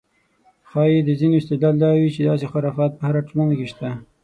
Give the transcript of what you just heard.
ښایي د ځینو استدلال دا وي چې داسې خرافات په هره ټولنه کې شته.